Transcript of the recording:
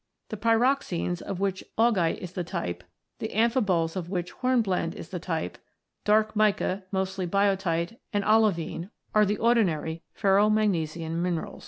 The pyroxenes, of which augite is the type, the amphiboles, of which hornblende is the type, dark mica (mostly biotite), and olivine, are the ordinary ferromagnesian minerals.